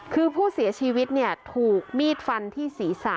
คือผู้เสียชีวิตถูกมีดฟันที่ศีรษะ